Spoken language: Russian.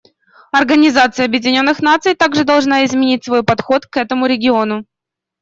Организация Объединенных Наций также должна изменить свой подход к этому региону.